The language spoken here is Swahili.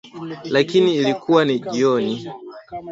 Lakini ilikuwa ni jioni